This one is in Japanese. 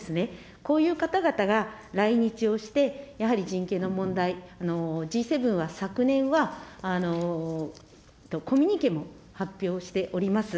こういう方々が来日をして、やはり人権の問題、Ｇ７は昨年はコミュニケも発表しております。